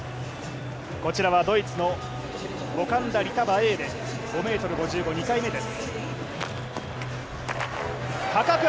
こちらはドイツのボ・カンダ・リタ・バエーレ、５ｍ５５、２回目です。